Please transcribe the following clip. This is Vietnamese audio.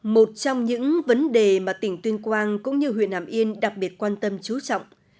một trong những vấn đề mà tỉnh tuyên quang cũng như huyện hàm yên đặc biệt quan tâm chú trọng